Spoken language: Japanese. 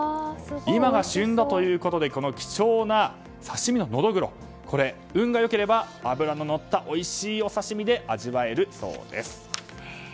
今が旬だということで貴重な刺し身のノドグロ運が良ければ脂ののった、おいしいお刺し身で味わえるそうです。